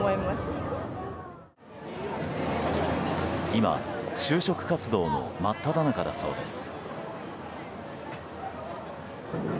今、就職活動の真っただ中だそうです。